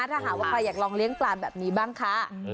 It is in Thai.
ถ้าหากว่าใครอยากลองเลี้ยงปลาแบบนี้บ้างค่ะ